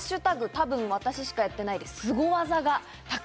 「＃多分私しかやってない」